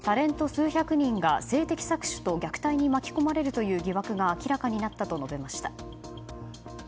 数百人が性的搾取と虐待に巻き込まれるという疑惑が明らかになったと述べました。